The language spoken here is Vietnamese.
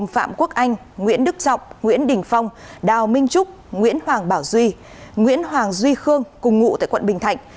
phạm quốc anh nguyễn đức trọng nguyễn đình phong đào minh trúc nguyễn hoàng bảo duy nguyễn hoàng duy khương cùng ngụ tại quận bình thạnh